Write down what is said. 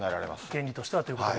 原理としてはということで。